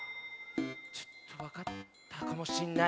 ちょっとわかったかもしんない。